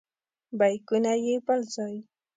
بیکونه یې بل ځای.